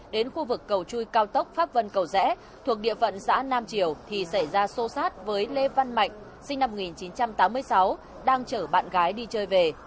đến khu vực cầu chui cao tốc pháp vân cầu rẽ thuộc địa phận xã nam triều thì xảy ra xô xát với lê văn mạnh sinh năm một nghìn chín trăm tám mươi sáu đang chở bạn gái đi chơi về